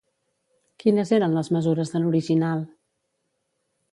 Quines eren les mesures de l'original?